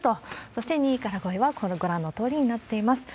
そして２位から５位は、このご覧のとおりになっています。